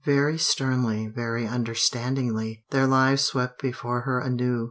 Very sternly, very understandingly, their lives swept before her anew....